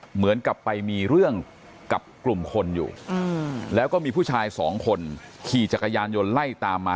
เหมือนกับไปมีเรื่องกับกลุ่มคนอยู่แล้วก็มีผู้ชายสองคนขี่จักรยานยนต์ไล่ตามมา